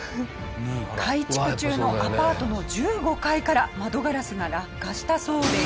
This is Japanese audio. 改築中のアパートの１５階から窓ガラスが落下したそうです。